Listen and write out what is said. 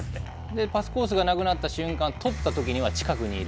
パスコースがなくなった瞬間とった時には近くにいる。